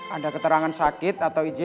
ada keterangan sakit atau izin